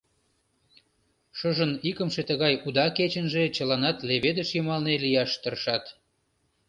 Шыжын икымше тыгай уда кечынже чыланат леведыш йымалне лияш тыршат.